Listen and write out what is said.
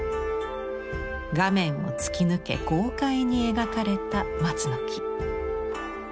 画面を突き抜け豪快に描かれた松の木。